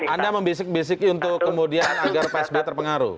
anda membisik bisik untuk kemudian agar pak s b terpengaruh